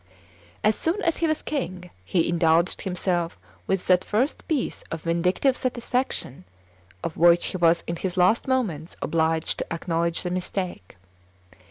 As soon as he was king, he indulged himself with that first piece of vindictive satisfaction of which he was in his last moments obliged to acknowledge the mistake.